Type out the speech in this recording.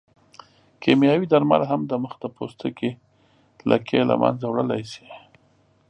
کیمیاوي درمل هم د مخ د پوستکي لکې له منځه وړلی شي.